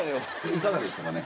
いかがでしたかね？